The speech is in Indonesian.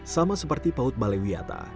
sama seperti paut balewiata